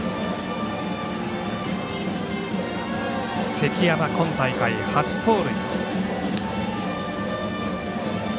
関山、今大会、初盗塁。